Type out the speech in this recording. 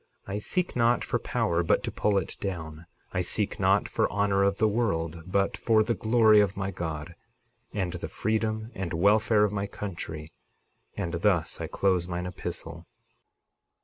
I seek not for power, but to pull it down. I seek not for honor of the world, but for the glory of my God, and the freedom and welfare of my country. And thus I close mine epistle.